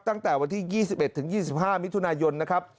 ตั้งแต่วันที่๒๑ถึง๒๕มิถุนายนนะครับ